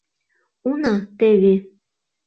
— Уна, тӧвӧ!..